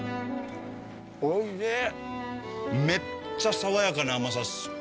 おいしい。